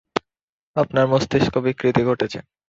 আপনার মস্তিষ্ক বিকৃতি ঘটেছে।